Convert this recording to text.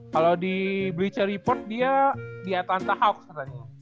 kalo di bleacher report dia di atlanta hawks katanya